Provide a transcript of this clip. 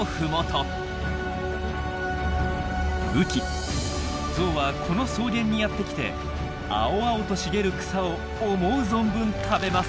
雨季ゾウはこの草原にやって来て青々と茂る草を思う存分食べます。